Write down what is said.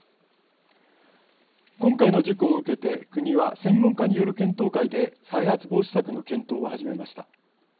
今回の事故を受けて、国は専門家による検討会で再発防止策の検討を始めました。